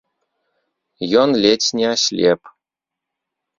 Ён ледзь не аслеп.